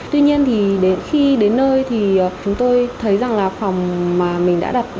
tuy nhiên thì đến khi đến nơi thì chúng tôi thấy rằng là phòng mà mình đã đặt